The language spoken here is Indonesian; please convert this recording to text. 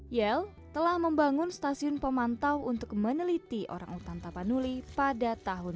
yel telah membangun stasiun pemantau untuk meneliti orang utan tapanuli pada tahun dua ribu